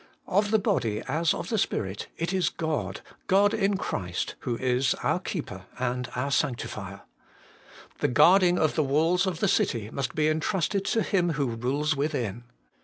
Of the body as of the spirit it is God, God in Christ, who is our Keeper and our Sanctifier. The guarding of HOLINESS AND THE BODY. 207 the walls of the city must be entrusted to Him who rules within.